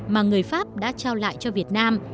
mà người pháp đã trao lại cho việt nam